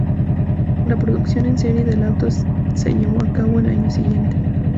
La producción en serie del auto se llevó a cabo el año siguiente.